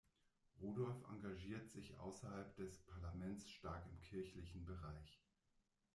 Rudolph engagiert sich außerhalb des Parlaments stark im kirchlichen Bereich.